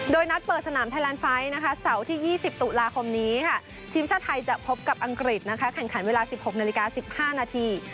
โดยนัดเปิดสนามไทยแลนดไฟต์เสาร์ที่๒๐ตุลาคมนี้ค่ะทีมชาติไทยจะพบกับอังกฤษแข่งขันเวลา๑๖นาฬิกา๑๕นาที